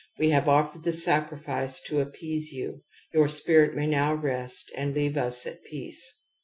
We have offered the sacrifice to appease you. Your spirit may now rest and leave us at peace.